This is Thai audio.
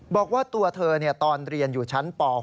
บอกว่าตัวเธอตอนเรียนอยู่ชั้นป๖